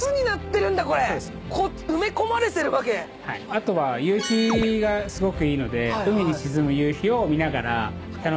あとは夕日がすごくいいので海に沈む夕日を見ながら楽しんでいただく。